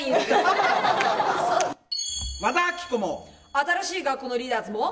新しい学校のリーダーズも。